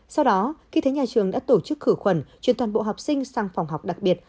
sau đó khi thấy nhà trường đã tổ chức khử khuẩn truyền toàn bộ học sinh sang phòng học đặc biệt